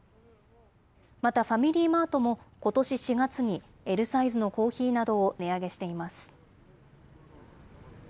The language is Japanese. またファミリーマートもことし４月に、Ｌサイズのコーヒーなどを値上げしています。